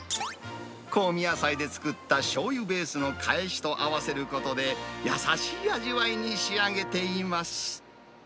香味野菜で作ったしょうゆベースのかえしと合わせることで、優しい味わいに仕上げています。